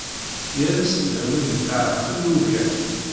Yal ass ttbanen-d ḍeɛfen ugar.